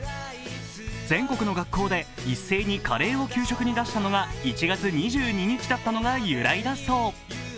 全国の学校で一斉にカレーを給食に出したのが１月２２日だったのが由来だそう。